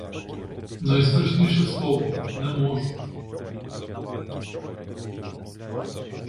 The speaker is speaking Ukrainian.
Найстрашніше слово: не можу.